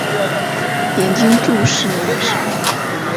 眼睛注视你的时候